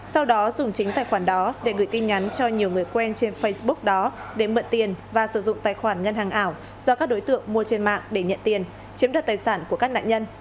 sau đó dùng chính tài khoản đó để gửi tin nhắn cho nhiều người quen trên facebook đó để mượn tiền và sử dụng tài khoản ngân hàng ảo do các đối tượng mua trên mạng để nhận tiền chiếm đoạt tài sản của các nạn nhân